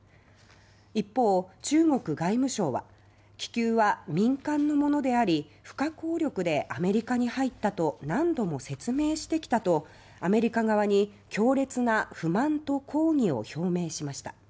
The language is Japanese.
一方、中国外務省は気球は民間のものであり不可抗力でアメリカに入ったと何度も説明してきたとアメリカ側に強烈な不満と抗議を表明しました。